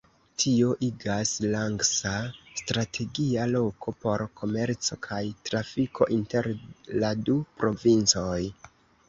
Tio igas Langsa strategia loko por komerco kaj trafiko inter la du provincoj.